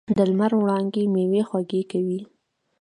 د لمر وړانګې میوې خوږې کوي.